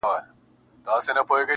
• درته په قهر خدای او انسان دی -